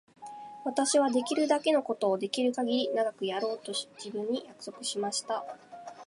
私はできるだけのことをできるかぎり長くやろうと自分に約束しました。